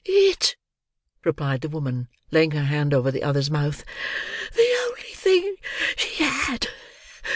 "It!" replied the woman, laying her hand over the other's mouth. "The only thing she had.